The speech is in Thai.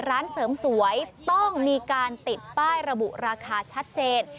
ร้านเสริมสวยต้องมีการติดป้ายระบุราคาชัดเจน